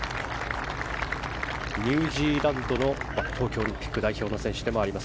ニュージーランドの東京オリンピックの代表の選手でもあります。